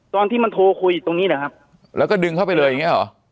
ตอนที่มันโทรคุยตรงนี้นะครับแล้วก็ดึงเข้าไปเลยเนี่ย